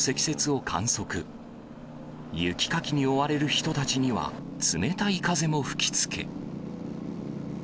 雪かきに追われる人たちには、冷たい風も吹きつけ。